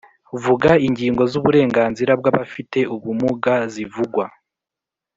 Vuga ingingo z uburenganzira bw abafite ubumuga zivugwa